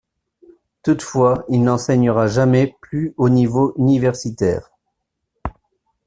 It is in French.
Toutefois, il n'enseignera jamais plus au niveau universitaire.